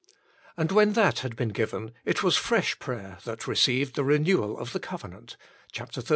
And when that had been given it was fresh prayer that received the renewal of the covenant, xxxiv.